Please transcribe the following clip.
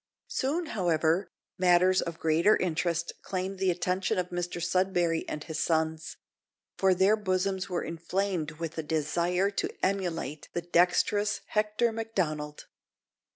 Soon, however, matters of greater interest claimed the attention of Mr Sudberry and his sons; for their bosoms were inflamed with a desire to emulate the dexterous Hector Macdonald.